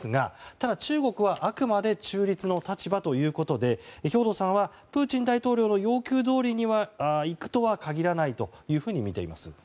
ただ中国は、あくまで中立の立場ということで兵頭さんはプーチン大統領の要求どおりにいくとは限らないとみています。